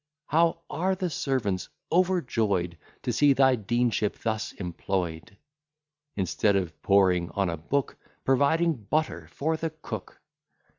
How are the servants overjoy'd To see thy deanship thus employ'd! Instead of poring on a book, Providing butter for the cook!